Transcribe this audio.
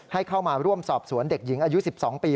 ให้เข้ามาร่วมสอบสวนเด็กหญิงอายุ๑๒ปี